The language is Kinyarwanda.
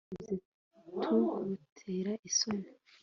Ntabwo twigeze tugutera isoni